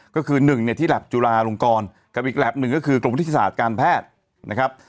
ก็คือหนึ่งเนี่ยที่แล็บจุฬาลงกรกับอีกแล็บหนึ่งก็คือกรมวิทยาศาสตร์การแพทย์นะครับ